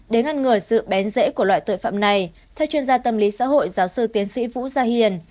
để ngăn ngừa sự bén dễ của loại tội phạm này theo chuyên gia tâm lý xã hội giáo sư tiến sĩ vũ gia hiền